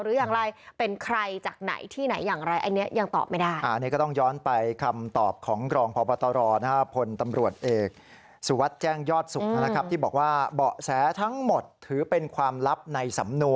หรืออย่างไรเป็นใครจากไหนที่ไหนอย่างไร